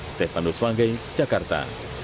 stefano swanggai jakarta